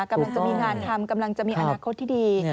กำลังจะมีงานทำกำลังจะมีอนาคตที่ดี